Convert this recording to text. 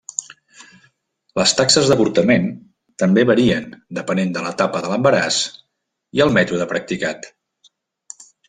Les taxes d'avortament també varien depenent de l'etapa de l'embaràs i el mètode practicat.